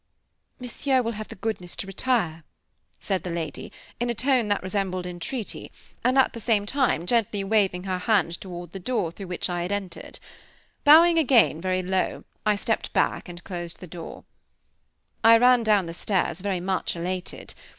"Monsieur will have the goodness to retire," said the lady, in a tone that resembled entreaty, at the same time gently waving her hand toward the door through which I had entered. Bowing again very low, I stepped back, and closed the door. I ran down the stairs, very much elated.